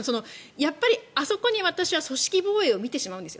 やっぱりあそこに私は組織防衛を見てしまうんです。